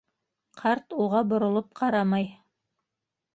Ҡарт уға боролоп ҡарамай.